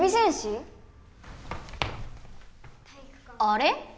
あれ？